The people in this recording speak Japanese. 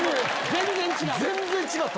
全然違うの？